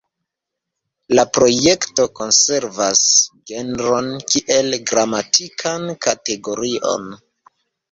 La projekto konservas genron kiel gramatikan kategorion.